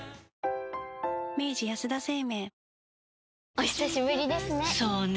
お久しぶりですね。